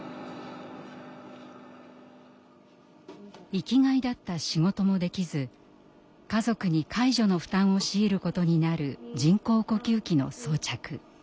生きがいだった仕事もできず家族に介助の負担を強いることになる人工呼吸器の装着。